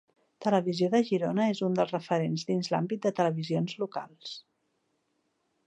Televisió de Girona és un dels referents dins l’àmbit de televisions locals.